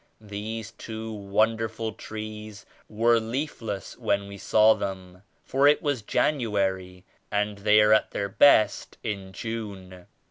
These two wonderful trees were leafless when we saw them, for it was January and they are at their best in June.